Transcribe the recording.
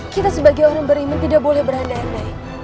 kita sebagai orang beriman tidak boleh berandai andai